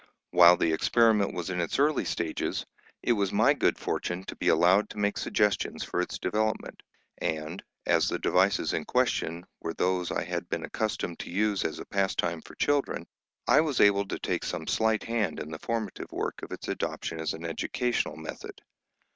While the experiment was in its early stages, it was my good fortune to be allowed to make suggestions for its development, and as the devices in question were those I had been accustomed to use as a pastime for children, I was able to take some slight hand in the formative work of its adoption as an educational method.